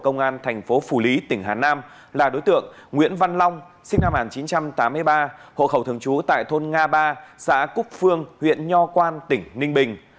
nguyễn văn long sinh năm một nghìn chín trăm tám mươi ba hộ khẩu thường trú tại thôn nga ba xã cúc phương huyện nho quan tỉnh ninh bình